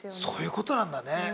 そういうことなんだね。